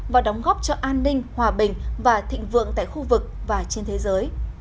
và đóng góp cho an ninh hòa bình và thịnh vượng tại khu vực và trên thế giới